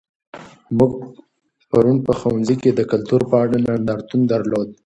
موږ پرون په ښوونځي کې د کلتور په اړه نندارتون درلود.